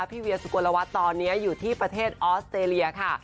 เวียสุโกลวัฒน์ตอนนี้อยู่ที่ประเทศออสเตรเลียค่ะ